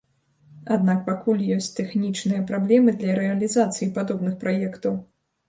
Аднак пакуль ёсць тэхнічныя праблемы для рэалізацыі падобных праектаў.